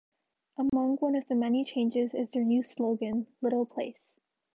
Among one of the many changes is their new slogan, little place.